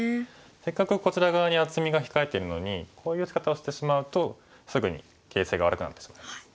せっかくこちら側に厚みが控えてるのにこういう打ち方をしてしまうとすぐに形勢が悪くなってしまいます。